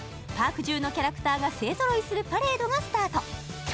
パーク中のキャラクターが勢揃いするパレードがスタート